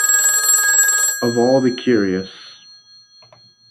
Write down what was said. Of all the curious!